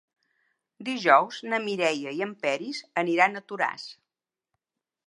Dijous na Mireia i en Peris aniran a Toràs.